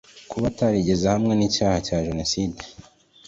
kuba atarigeze ahamwa n icyaha cya jenoside